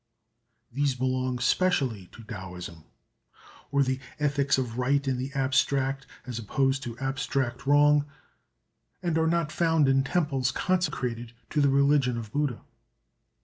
These belong specially to Taoism, or the ethics of Right in the abstract, as opposed to abstract Wrong, and are not found in temples consecrated to the religion of Buddha.